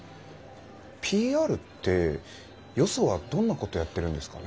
ＰＲってよそはどんなことやってるんですかね？